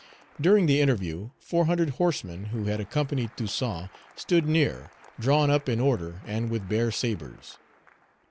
During the interview, four hundred horsemen, who had accompanied Toussaint, stood near, drawn up in order and with bare sabres.